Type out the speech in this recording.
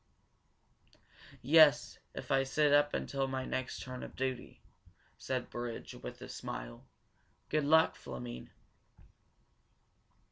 "Yes, if I sit up until my next turn of duty," said Burridge, with a smile. "Good luck, Fleming."